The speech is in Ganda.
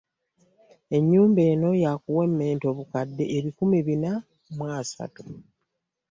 Ennyumba eno ya kuwemmenta obukadde ebikumi Bina mu asatu